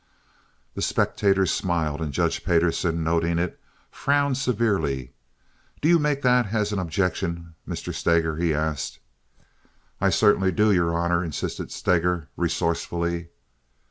The spectators smiled; and Judge Payderson, noting it, frowned severely. "Do you make that as an objection, Mr. Steger?" he asked. "I certainly do, your honor," insisted Steger, resourcefully.